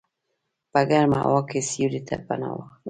په ګرمه هوا کې سیوري ته پناه واخله.